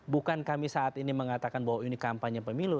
bukan kami saat ini mengatakan bahwa ini kampanye pemilu